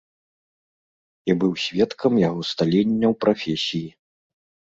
І быў сведкам яго сталення ў прафесіі.